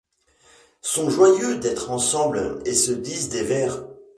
Sont joyeux d'être ensemble et se disent des vers.